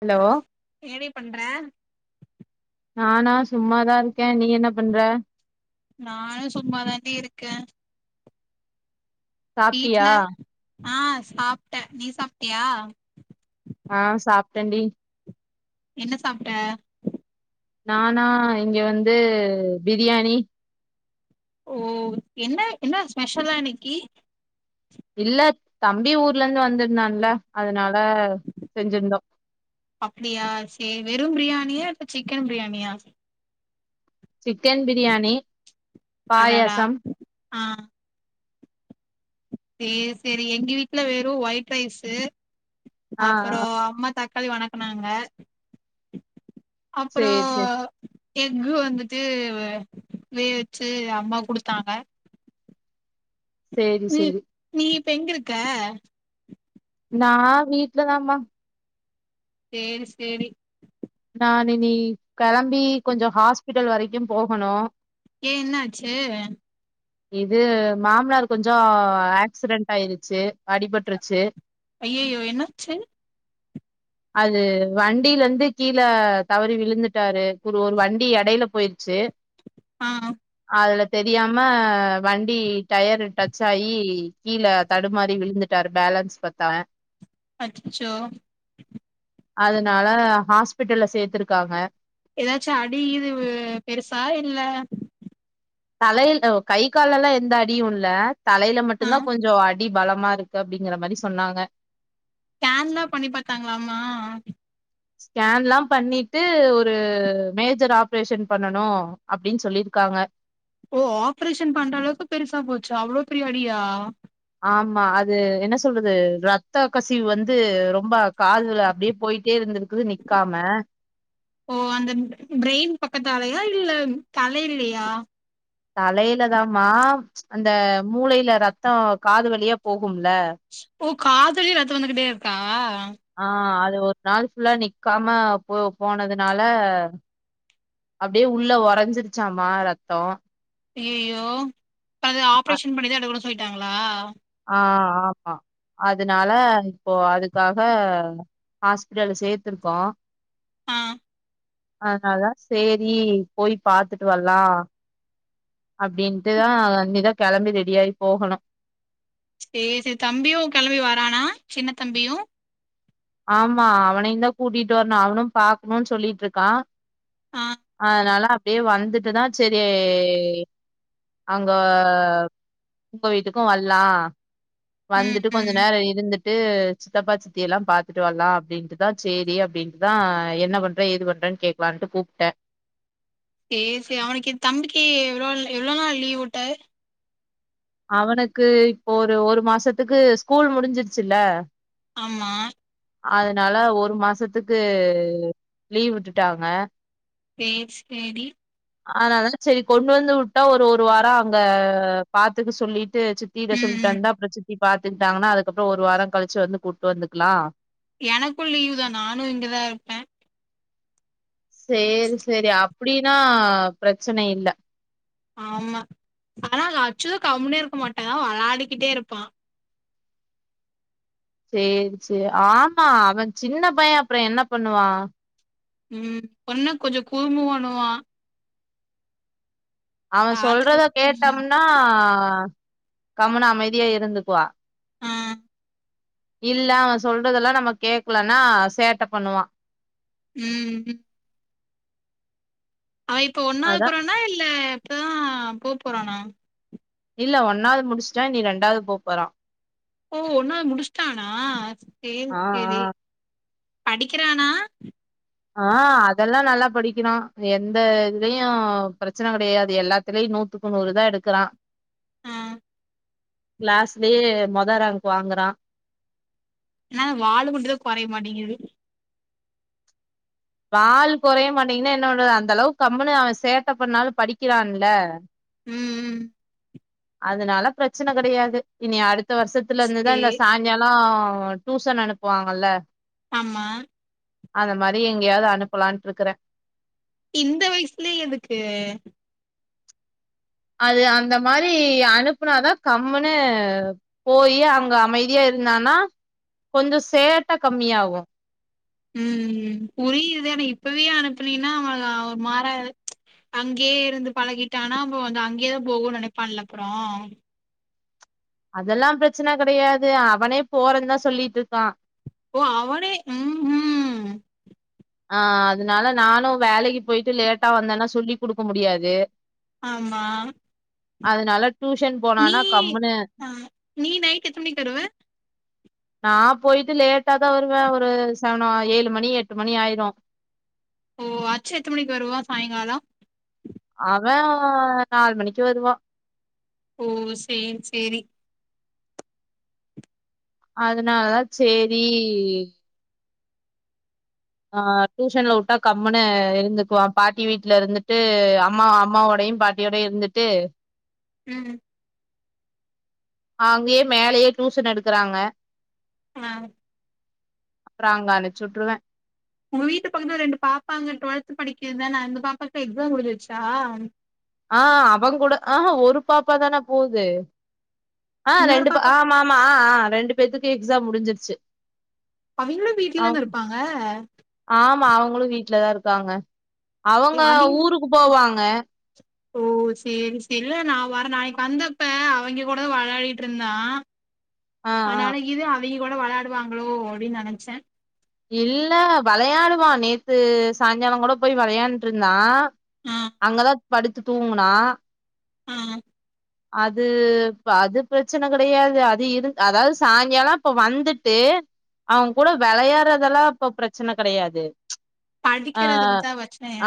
Hello பண்றே நானா சும்மாதா இருக்கே நீ என்ன பண்ற நானூ சும்மாதான்டி இருக்கே சாப்டியா வீட்ல ஆ சாப்ட்ட நீ சாப்ட்டியா ஆ சாப்ட்டெண்டி என்ன சாப்ட்ட நானா இங்க வந்து பிரியாணி ஓ என்ன என்ன ஸ்பெஷலா இன்னைக்கு இல்ல தம்பி ஊர்ல இருந்து வந்திருந்தான்ல அதனா அப்டியா செரி வெறு பிரியாண் ணியா இப்ப சிக்கன் பிரியாணியா சிக்கன் பிரியாணி அடடா பாயசம் ஆ சேரி சேரி எங்க வீட்ல வெறு ஒயிட் ரைஸ்சு ஆ ஆ அப்றோ அம்மா தக் தக்காளி வணக்குனாங்க அப்ரோ சேரி சேரி எஃக் வந்திட்டு வேவச்சு அம்மா குடுத்தாங்க சேரி சேரி ப்ப எங்க இருக்க நான் வீட்லதாமா சேரி சேரி நா இனி கெளம்பி கொஞ்ச ஹாஸ்பிட்டல் வரைக்கு போகணு ஏ என்னாச்சு இது மாமனார் கொஞ்ச ஆக்சிடென்ட் ஆயிருச்சு அடிபட்ருச்சு அய்யய்யோ என்னாச்சு அது வண்டிலர்ந்துக் கீழ தவறி விழுந்துட்டாரு ஒரு ஒரு வண்டி எடைல போயிருச்சு ஆ அதுல தெரியாம வண்டி டயரு டச் ஆயீ கீழே தடுமாறி விழுந்துட்டாரு பேலன்ஸ் பத்தல அச்சச்சோ அதனால ஹாஸ் பிட்டல்ல சேத்திருக்காங்க எதாச்சு அடிகீது பெருசா இல்ல தலையில் ஒ கை கால்லல்லா எந்த அடியு இல்ல தலையில மட்டு ஆ தான் கொஞ்ச அடி அடி பலமா இருக்கு அப்டிங்கற மாரி சொன்னாங்க ஸ்கேன் தா பண்ணி பாத்தாங்ளாமா ஸ்கேன்லா பண்ணிட்டு ஒரு மேஜர் ஆப் ஆப்ரேஷன் பண்ணனு அப்டின்னு சொல்லிருக்காங்க ஓ ஆப்ரேஷன் பண்ற அளவுக்கு பெருசா போச்ச அவ்ளோ பெரிய அடியா ஆமா அது என்ன சொல்றது ரத்த கசிவு வந்து ரொம்ப காதுல அப்டியே போயிட்டே இருந்திருக்கு நிக்காம ஓ அந்த பிரெயின் பக்கத்தாலையா இல்ல தலைலியா தலையில தான் மா ப்ச் அந்த மூளையில ரத்தொ காது வழியா போகு போகும்ல ஓ காதுலா ரத்தம் வந்துகிட்டே இருக்கா ஆஹ் அத் ஒரு நாள் ஃபுல்லா நீக்காம போ போனதுனால அப்படியே உள்ள ஓரைஞ்சிருச்சாமா ரத்தம் ஐய்யய்யோ அது அ ஆப்ரேஷன் பன்னிதான் எடுக்கணும் போயிட்டாங்களா ஆஹ் ஆமா அதனால இப்போ அதுக்காக ஹாஸ்பிட்டல்ல சேர்த்திருக்கோம் ஆஹ் அதனாதான் செரி போய் பார்துட்டு வரலாம் அப்படின்ட்டுதான் இனி தான் கிளம்பி ரெடியாயி போகணும் செரி செரி தம்பியும் கெளம்பி வரானா சின்ன தம்பியும் ஆமா அவனையும் தான் கூட்டிட்டு வரணும் அவனும் பாக்கணும்னு சொல்லிட்டு இருக்கான் ஆ அதனால அப்டியே வந்துட்டு தான் செரி அங்க உங்க வீட்டுக்கும் வரலாம் ம் வந்துட்டு கொஞ்ச ம் நேரம் இருந்துட்டு ட்டு சித்தப்பா சித்தி எல்லாம் பாத்துட்டு த்துட்டு வரலாம் அப்படின்ட்டுதான் செரி அப்படின்ட்டுதான் என்ன பண்ற எது பண்றேன்னு கேக்கலான்ட்டு கூப்டேன் செரி செரி அவனுக்கு தம்பிக்கு எவ்வளோ எவ்வளவு நாள் லீவ் உட்டர் அவனுக்கு இப்போ ஒரு ஒரு மாசத்துக்கு ஸ்கூல் முடிஞ்சிருச்சுல்ல ஆமா அதனால ஒரு மாசத்துக்கு லீவ் விட்டுட்டாங்க கேஸ் ஸ்டடி அதனால செரி கொண்டு வந்து உட்டா ஒரு ஒருவாரம் அங்க பாத்துக்க சொல்லிட்டு அது சித்தி ம் சொல்லிட்டு ம் வந்தா [inaudible] இப்படி பாத்துக்கிட்டாங்கன்னா அதுக்கப்புறம் ஒரு வாரம் கலிச்சு வந்து கூப்டு வந்துக்கலாம் எனக்கும் லீவு தான் நானும் இங்கதான் இருப்பேன் செரி செரி அ அப்படின்னா பிரச்சன இல்ல ஆமா ஆனா அச்சு கம்னே இருக்க மாட்டான் விளயாடிக்கிட்டே இருப்பான் செரி செரி ஆமா அவன் சின்ன பையன் அப்புறம் என்ன பண்ணுவான் உம் பொண்ணு கொஞ்சம் குரும்பு பண்ணுவான் அவன் பாத்துக்க சொல்றத ம் கேட்டம்னா ஆ கம்னு அமைதியா இருந்துக்குவா ஆ இல்ல அவ சொல்றதெல்லா நம்ம கேக்கலன்னா சேட்ட பண்ணுவா ம் அவ இப்ப ஒன்னாவது அதா போறானா இல்ல இப்பதா போ போறானா இல்ல ஒன்னாவது முடிச்ட்டா நீ ரெண்டாவது போ போறா ஓ ஒன்னாவது முடிச்சுட்டானா சேம் ஆ ஆ [unintelligible] படிக்கிறானா ஆ அதெல்லா நல்லா படிக்கிறா எந்த இதுலயு பிரச்சன கெடையாது எல்லாத்திலியு நூத்துக்கு நூறு தா எடுக்கறா ஆ கிளாஸ்லயே மொத ரேங்க் வாங்குறா என்னா வால் மட்டுதா கொறைய மாட்டேங்கிது வால் கொறைய மாட்டீங்கன்னா என்ன பண்றது அந்த அளவுக்கு கம்மனு அவெ சேட்ட பண்ணாலு படிக்கிறான்ல ம் ம் அதனால பிரச்சன கெடையாது இனி அடுத் பத்து வருஷத்துல இருந்துதா இந்த சேரி சாய்ங்காலோ அவெ டூசன் அனுப்புவாங்கல்ல ஆமா அந்த மாரி எங்கயாவது அனுப்பலான்ட்டு இருக்கறே இந்த வயசுலயே எதுக்கு அது அந்த மாரி அனுப்புனாதா கம்முன்னு போய் அங்க அமைதியா இருந்தானா கொஞ்சோ சேட்ட கம்மியாகு ம் புரியுது ஆனா இப்பவே அனுப்புனீனா அவ மாற அங்கேயே இருந்து பழகிட்டனா அப்ப வந்து அங்கேயேதா போகு நெனைப்பான்ல அப்புறோ அதெல்லா பிரச்சன கெடையாது அவனே போறன்னு தா சொல்லிட்டு இருக்கா ஓ அவனே ம் ம் ஆ அதனால நானு வேலைக்கு போயிட்டு லேட்டா வந்தேன்னா சொல்லி் குடுக்க முடியாது ஆமா அதனால டூஷன் நீ போனானா கம்முனு ஆ நீ நைட் எத்தன மணிக்கு வருவ நா போயிட்டு லேட்டா தா வருவே ஒரு செவனோ ஏழு மணி எட்டு மணி ஆயிரு ஓ அச்ச எத்த மணிக்கு வருவா சாயங்காலோ அவெ நாலு மணிக்கு வருவா ஓ சேரி சேரி அதனாலதா சேரி ஆ டூஷன்ல வுட்டா கம்முன்னு இருந்துக்குவா பாட்டி வீட்டுல இருந்துட்டு அம்மா அம்மாவோடயு பாட்டியோட இருந்துட்டு ம் அங்கயே மேலயே டூஷன் எடுக்கறாங்க ஆ அப்புற அங்க அனுச்சு வுட்டுருவே உங்க வீட்டு பக்கத்துல ரெண்டு பாப்பா அங்க டுவெல்த் படிக்கிதுதான அந்த பாப்பாக்கு எக்ஸாம் முடிஞ்சிடுச்சா ஆ அவெ கூட ஆ ஒரு பாப்பா தான போது ஆ இன்னொரு ரெண்டு பா பாப்பா ஆமா ஆமா ஆ ஆ ரெண்டு பேத்துக்கு எக்ஸாம் முடிஞ்சிருச்சு அவிங்களும் அவ் வீட்டு்லதான இருப்பாங்க ஆமா அவங்களும் வீட்டுலதான் இருக்காங்க அவங்க அவிங் ஊருக்கு போவாங்க அ ஓ செரி செரி அல்ல நான் லவ் நாளைக்கு வந்தப்ப அவங்க கூட வெளையாடிட்டு இருந்தான் ஆ ஆ ஆனால இது அ அத கூட வேளையாடுவாங்களோ அப்படின்னு நெனைச்சேன் இல்ல விளையாடுவான் நேத்து சாய்ங்காலம் கூட போய் விளையாண்டு இருந்தான் ஆ அங்கத படுத்து தூங்குனா ஆஹ் அது இப்ப அது பிரச்சன கெடையாது அது இரு அதாவது சாயங்காலாம் இப்ப வந்துட்டு அவங்க கூட வெளையாடுறதெல்லாம் இப்ப பிரச்சனை கெடையாது படிக்கிறதுக்கு அஹ் தா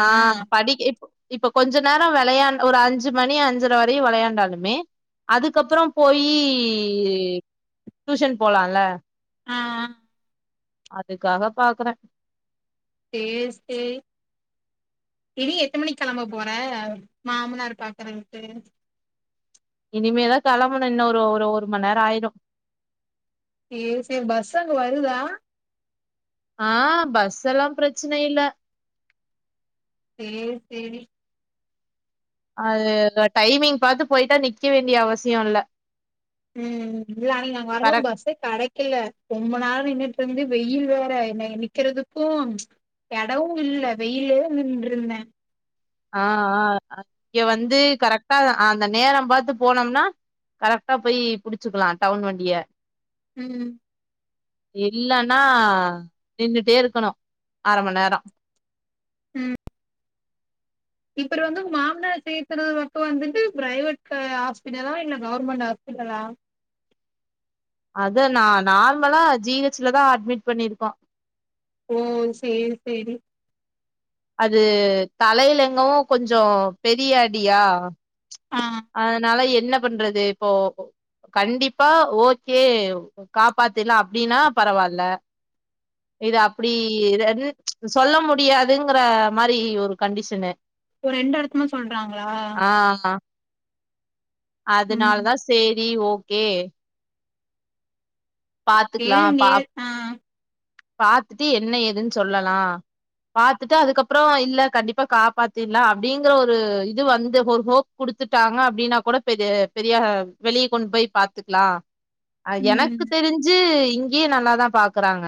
அஹ் ஆஹ் படிக்க இ இப்ப கொஞ்சம் நேரம் வெளையான் ஒரு அஞ்சு மணி அஞ்சுர வரையும் விளையாண்டாாலும் மெ அதுக்கப்புறம் போயி டியூஷன் போலாம்ல ஆஹ்ஹ அதுக்காக பாக்குறேன் செர் செரி இனி எத்த மணி கெளம்ப போற மாமனார் பாக்கறதுக்கு இனிமேதான் கெளம்பணும் இன்னும் ஒரு ஒரு ஒரு மணி நேரம் ஆயிரும் செரி செரி பஸ் அங்க வருதா ஆஹ் பஸ் எல்லாம் பிரச்சன இல்ல செர் செரி அது டைமிங் பாத்து போயிட்டா நிக்க வேண்டிய அவசியம் இல்ல உம் இல்ல அன்னைக்கு நாங்க வரும்போது கரெக்ட் பஸ்ஸெ கெடைக்கல ரொம்ப நேரம் நின்னுட்டு இருந்து வெயில் வேற என் நிக்கிறதுக்கும் ம்ச் எடவும் இல்ல வெயிலெ நின்ருந்தேன் ஆஹ்ஹ இங்க வந்து கரெக்ட்டா அந்த நேரம் பாத்து போனோம்னா கரெக்ட்டா போய் புடிச்சுக்கலாம் டவுன் வண்டிய ம் இல்லன்னா நின்னுட்டே இருக்கணும் அரமண் நேரம் உம் இப்பரு வந்து மாமனார் சேத்துறது பக்கம் வந்துட்டு பிரைவேட் ஹாஸ்பிட்டலா இல்ல கவர்மெண்டட் ஹாஸ்பிட்டலா அத நான் நார்மலா ஜி ஹச்ல தான் அட்மிட் பண்ணிருக்கோம் ஓ செர் செரி அது தலைலெங்கும் கொஞ்சம் பெரிய அடியா ஆ அதனால என்ன பண்றது இப்போ கண்டிப்பா ஓகே காப்பாத்துலாம் அப்படின்னா பரவால இது அப்படி சொல்ல முடியாதுங்கற மாதிரி ஒரு கண்டிஷனு ஒரு ரெண்டு எடத்தமா சொல்றாங்களா அதனால ம் தான் செரி ஓக் கே ஏன இங்கே ஆஹ் பாாரத்துட்டு என்ன எதுன்னு சொல்லலாம் பாத்துட்டு அதுக்கப்புறம் இல்ல கண்டிப்பா காப்பாத்திர்லாம் அப்படிங்கற ஒரு இது வந்து ஒரு ஹோக் குடுத்துட்டாங்க அப்படின்னா கூட பெரிய பெரிய வெளியே கொண்டு போய் பாத்துக்கலாம் அது எனக்கு ம் தெஞ்சு இங்கேயே நல்லாதான் பாக்குறாங்க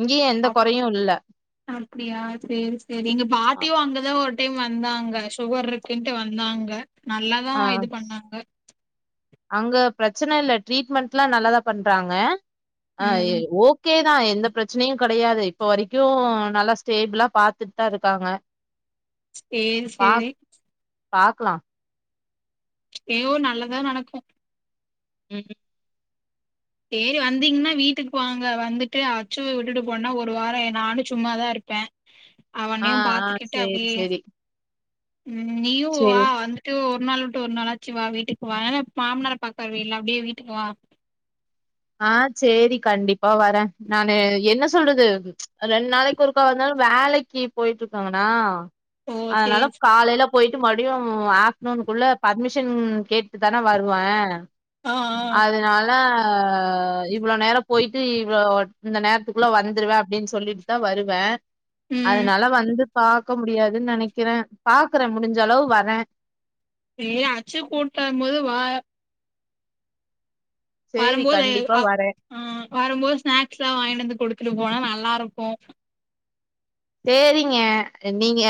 இங்கேயும் எந்த அப் குறையும் இல்ல அப்படியா சரி சரி எங்க பாட்டியும் அங்கதான் ஒரு டைம் வந்தாங்க சுகர் இருக்குன்ட்டு வந்தாங்க நல்லாதான் ஆஹ் இது பண்ணாங்க அங்க பிரச்சன இல்ல ட்ரீட்மெண்ட் எல்லாம் நல்லாதான் பண்றாங்க ஆ ம் ஓகே தான் எந்த பிரச்சனையும் கிடையாது இப்ப வரைக்கும் நல்லா ஸ்டேபிளா பாத்துட்தா இருக்காங்க. சேரி சேரி பாக்லா. ஏயோ நல்லதா நடக்கு. ஹ்ம் சேரி வந்தீங்ன்னா வீட்டுக்கு வாங்க வந்துட்டு அச்சுவ விட்டுட்டு போனா ஒரு வாரோ நானு சும்மாதா இருப்ப. ஆ ஆ சேர் சேரி ம் நீயுவா வந்துட்டு ஒர் ஒரு நாள் விட்டு ஒரு நாளாச்சு வா வீட்டுக்கு வா. ஏனா மாம்னார பாக்க வருவீல்ல அப்டியே வீட்டுக்கு வா. ஆ சேர்ரி கண்டிப்பா வர. நானு என்ன சொல்றது ம்ச் ரெண் நாளக்கு ஒருக்கா வந்தாலு வேலைக்கு போயிட்டிருக்காங்கணா. ஓ சேரி அதனால சே காலேல போயிட்டு மர் எப்டியு ஆஃப்டனூன் குள்ள பர்மிஷன் கேட்டு தான வருவ. ஆ ஆ அதுனால ஆ ஆ இவ்ள நேரோ போய்ட்டு இவ்ளோ இந்த நேரத்துக்குள்ள வந்துருவ அப்படின் சொல்லிட்டுதா வருவ. ம் அதனால வந்து பாக்க முடியாத். னு நெனைக்கிற பாக்குற முடிஞ்ச அளவு வர ஏ அச்சு கூட்டுவரும் போது வா சேரி வரும்போது கண்டிப்பா அப் வரே ஆ வரும்போது ஸ்நாக்ஸ்ல்லா வாங்கிட்டு வந்து குடுத்துட்டு போனா நல்லா ருக்கு சேர்ரிங்க. நீங்க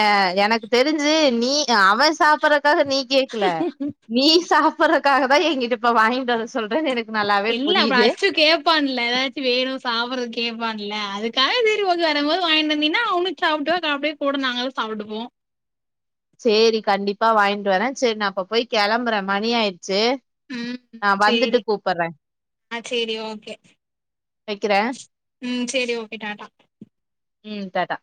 எனக்கு தெரிஞ்சு நீ அவன் சாப்பற்றக் காக நீ கேக்கல நீ சாப் பற்றக்காகதா எங்கிட்ட இப்ப வாங்கிட்டு வரசொ இல்ல அப்ப அச்சு கேப்பான்ல ஏதாச்சு வேணு சாப்பட்றகு கேட்பான்ல அதுக் காகசேரிஓக்கே வரும்போது வாங்கிட்டு வந்தீனா அவனுக்கு சாப்ட்டுவா க அப்டியே கூட நாங்களு சாப்ட்டுபோ. சேரி கண்டிப்பா வாங்கிட்டு வர. சேரி நா அப்ப போய் கெளம்பற. மணி ஆயி ச்சு ம் நா வந்துட்டு சேரி கூப்பட்ற. ஆ சேரி ஓகே வெக்கிற. ம் சேரி ஓகே டாட்டா. உம் தாடா